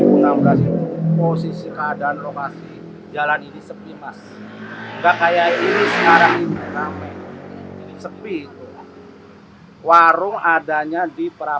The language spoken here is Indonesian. dua ribu enam belas posisi keadaan lokasi jalan ini sepi mas nggak kayak ini sekarang ini sampai sepi warung adanya di